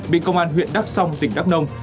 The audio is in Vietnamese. bị công an huyện đắk song tỉnh đắk nông